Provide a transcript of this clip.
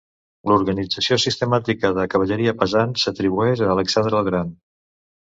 L'organització sistemàtica de cavalleria pesant s'atribueix a Alexandre el Gran.